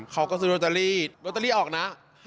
เขาก็ซื้อโรตเตอรี่โรตเตอรี่ออกนะ